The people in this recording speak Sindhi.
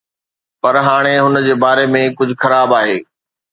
پر هاڻي هن جي باري ۾ ڪجهه خراب آهي